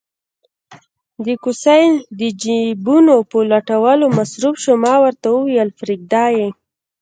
د کوسۍ د جېبونو په لټولو مصروف شو، ما ورته وویل: پرېږده یې.